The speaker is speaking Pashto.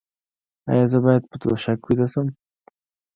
ایا زه باید په توشک ویده شم؟